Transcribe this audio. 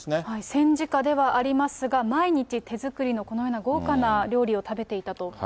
戦時下ではありますが、毎日手作りのこのような豪華な料理を食べていたと。